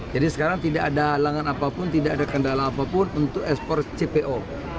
jadi sekarang tidak ada halangan apapun tidak ada kendala apapun untuk ekspor cpo